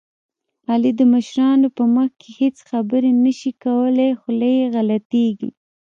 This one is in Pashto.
علي د مشرانو په مخ کې هېڅ خبرې نه شي کولی، خوله یې غلطېږي.